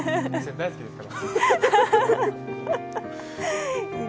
大好きですから。